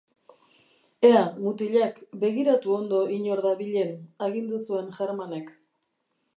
Ea, mutilak, begiratu ondo inor dabilen, agindu zuen Hermannek.